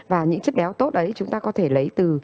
và những chất béo tốt đấy chúng ta có thể lấy từ